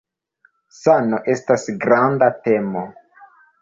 Sano estas granda temo.